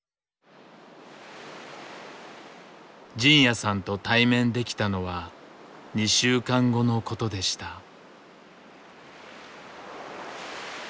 仁也さんと対面できたのは２週間後のことでした。